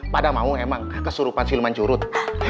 pada mau emang kesurupan silman curut